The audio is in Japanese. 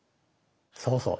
そうそう。